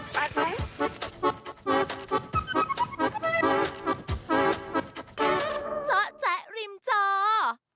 เจ้าแจ๊ะริมเจ้า